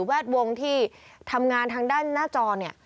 ดวงที่ทำงานทางด้านหน้าจอเนี่ย